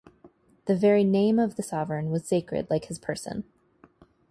The very name of the sovereign was sacred like his person.